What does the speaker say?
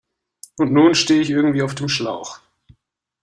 Und nun stehe ich irgendwie auf dem Schlauch.